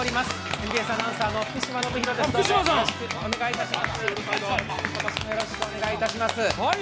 ＭＢＳアナウンサーの福島暢啓です、今年もよろしくお願いいたします。